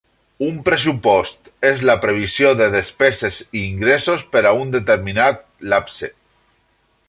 Un pressupost és la previsió de despeses i ingressos per a un determinat lapse